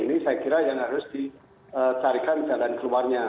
ini saya kira yang harus dicarikan jalan keluarnya